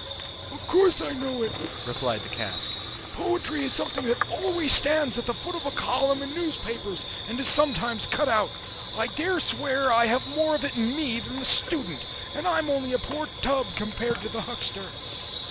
"Of course I know it," replied the cask: "poetry is something that always stands at the foot of a column in the newspapers, and is sometimes cut out. I dare swear I have more of it in me than the student, and I'm only a poor tub compared to the huckster."